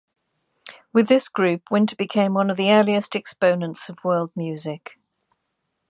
With this group, Winter became one of the earliest exponent's of world music.